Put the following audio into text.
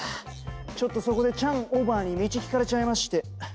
ちょっとそこでチャンオバアに道聞かれちゃいまして。